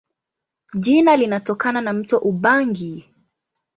Jina linatokana na mto Ubangi.